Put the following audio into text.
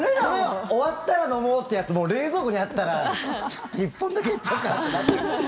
終わったら飲もうってやつも冷蔵庫にあったらちょっと１本だけいっちゃおうかなってなっちゃうでしょ？